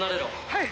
はい！